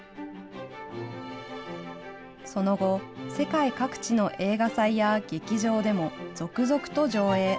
その後、世界各地の映画祭や劇場でも続々と上映。